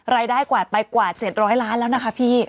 กวาดไปกว่า๗๐๐ล้านแล้วนะคะพี่